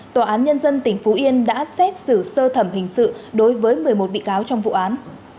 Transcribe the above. tòa án nhân dân tỉnh phú yên đã xét xử sơ thẩm hình sự đối với một mươi một bị cáo trong vụ án